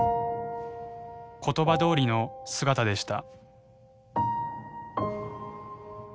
言葉どおりの姿でした。